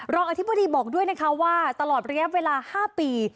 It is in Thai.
อธิบดีบอกด้วยนะคะว่าตลอดระยะเวลา๕ปี